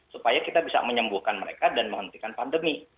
supaya kita bisa menyembuhkan mereka dan menghentikan pandemi